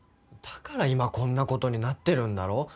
だから今こんなことになってるんだろ。